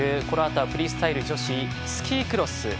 このあとはフリースタイル女子スキークロス。